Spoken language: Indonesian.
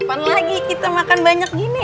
kapan lagi kita makan banyak gini